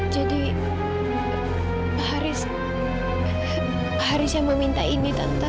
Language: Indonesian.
jadi pak haris pak haris yang meminta ini tante